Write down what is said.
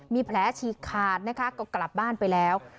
มีแผลชีคาดก็กลับบ้านไปแล้ว